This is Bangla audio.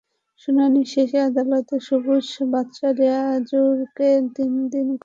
শুনানি শেষে আদালত সবুজ, বাদশা, রিয়াজুরকে তিন দিন করে রিমান্ড মঞ্জুর করেছেন।